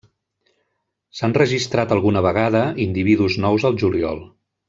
S'han registrat alguna vegada individus nous al juliol.